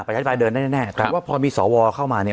ประชาธิปไตยเดินได้แน่แต่ว่าพอมีสวเข้ามาเนี่ย